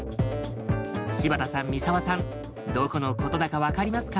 柴田さん三澤さんどこのことだか分かりますか？